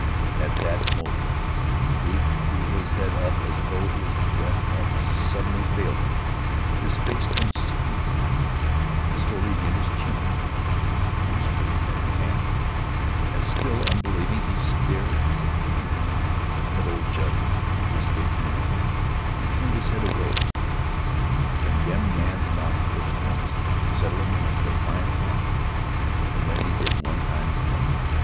At that movement Rufe threw his head up as though his breath had suddenly failed him, his face turned sickening white, and slowly again his chin dropped into his trembling hands, and still unbelieving he stared his appeal, but old Judd dropped his big hand and turned his head away. The condemned man's mouth twitched once, settled into defiant calm, and then he did one kindly thing.